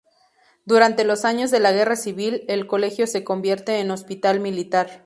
Durante los años de la Guerra Civil, el colegio se convierte en Hospital Militar.